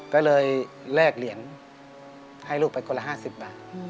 ก็เลยแลกเหรียญให้ลูกไปคนละ๕๐บาท